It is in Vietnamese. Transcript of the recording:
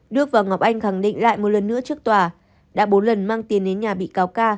đức và ngọc anh khẳng định lại một lần nữa trước tòa đã bốn lần mang tiền đến nhà bị cáo ca